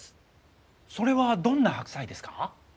それはどんな白菜ですか？